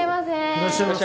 いらっしゃいませ。